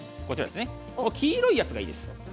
黄色いやつがいいです。